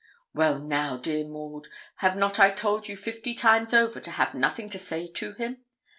'Well now, dear Maud, have not I told you fifty times over to have nothing to say to him?